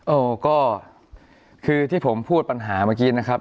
เออก็คือที่ผมพูดปัญหาเมื่อกี้นะครับ